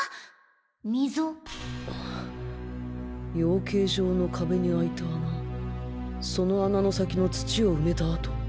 養鶏場の壁に開いた穴その穴の先の土を埋めた跡